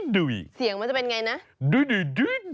เสียงมันจะเป็นอย่างไรนะ